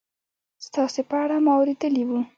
ستاسې په اړه ما اورېدلي و